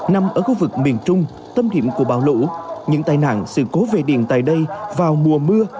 nằm ở khu vực miền trung tâm điểm của bão lũ những tai nạn sự cố về điện tại đây vào mùa mưa